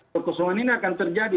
perkosongan ini akan terjadi